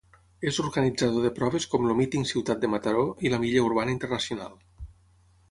És organitzador de proves com el míting Ciutat de Mataró i la Milla Urbana Internacional.